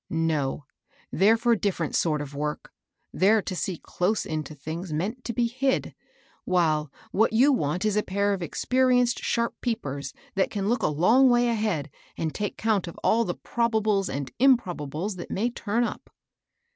" No ; they're for different sort of work ; they're to see close into things meant to be hid ; while, what you want is a pair of experienced, sharp peepers that can look a long way ahead, and take count of all the probables and improbables that may turn up."